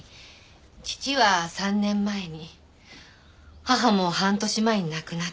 義父は３年前に義母も半年前に亡くなって。